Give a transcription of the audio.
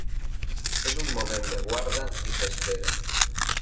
És un moment de guarda i d'espera.